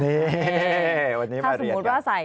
นี่วันนี้มาเรียน